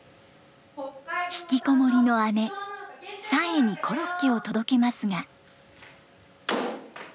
引きこもりの姉さえにコロッケを届けますが。